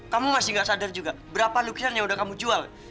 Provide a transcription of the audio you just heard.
kamu masih gak sadar juga berapa lukisan yang udah kamu jual